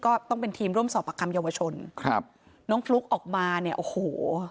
ก็ต้องเป็นทีมร่วมสอบประคำเยาวชนครับน้องฟลุ๊กออกมาเนี่ยโอ้โห